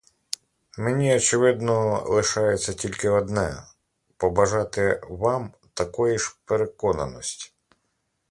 Мені, очевидно, лишається тільки одне: побажати вам такої ж переконаності.